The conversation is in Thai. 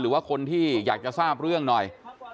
หรือว่าคนที่อยากจะทราบเรื่องหน่อย